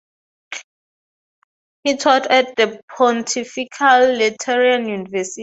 He taught at the Pontifical Lateran University.